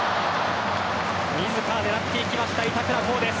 自ら狙っていきました板倉滉です。